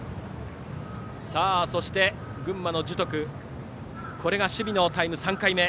さあ、そして群馬の樹徳これが守備のタイム３回目。